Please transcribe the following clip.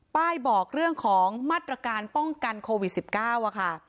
ป้ายบอกเรื่องของมัตรการป้องกันโควิดสิบเก้าอะค่ะ